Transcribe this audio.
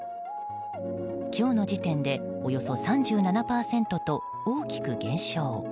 今日の時点でおよそ３７％と大きく減少。